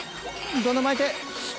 どんどん巻いて！